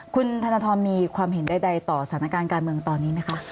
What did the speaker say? คุณธนทรมีความเห็นใดต่อสถานการณ์การเมืองตอนนี้ไหมคะ